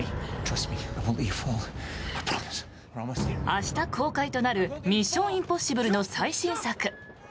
明日公開となる「ミッション：インポッシブル」の最新作。